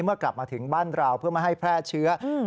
เมื่อกลับมาถึงบ้านเราเพื่อไม่ให้แพร่เชื้อ